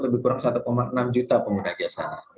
lebih kurang satu enam juta pengguna jasa